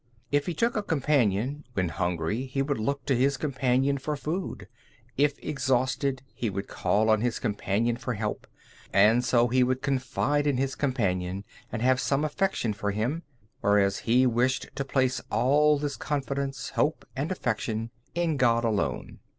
If he took a companion, when hungry he would look to his companion for food; if exhausted, he would call on his companion for help; and so he would confide in his companion, and have some affection for him: whereas he wished to place all this confidence, hope, and affection in God alone.